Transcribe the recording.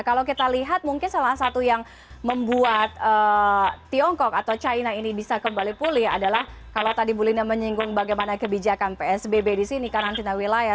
kalau kita lihat mungkin salah satu yang membuat tiongkok atau china ini bisa kembali pulih adalah kalau tadi bu linda menyinggung bagaimana kebijakan psbb di sini karantina wilayah